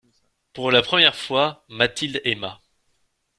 Pour la première fois Mathilde aima.